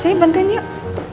coba bantuin yuk